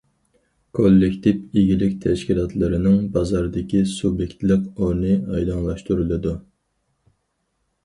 كوللېكتىپ ئىگىلىك تەشكىلاتلىرىنىڭ بازاردىكى سۇبيېكتلىق ئورنى ئايدىڭلاشتۇرۇلىدۇ.